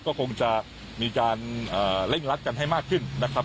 ก็คงจะมีการเร่งรัดกันให้มากขึ้นนะครับ